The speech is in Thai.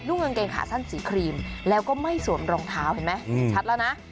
กางเกงขาสั้นสีครีมแล้วก็ไม่สวมรองเท้าเห็นไหมชัดแล้วนะ